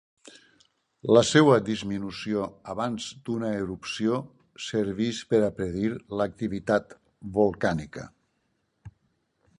La seva disminució abans d'una erupció serveix per predir l'activitat volcànica.